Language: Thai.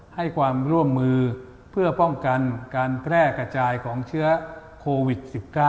ให้ความร่วมมือเพื่อป้องกันการแพร่กระจายของเชื้อโควิด๑๙